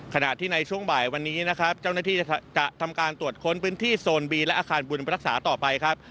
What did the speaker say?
ขณะที่ในช่วงบ่ายวันนี้นะครับเจ้าหน้าที่จะทำการตรวจค้นพื้นที่โซนบีและอาคารบุญรักษาต่อไปครับ